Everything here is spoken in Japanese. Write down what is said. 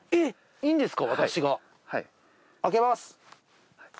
いいですか？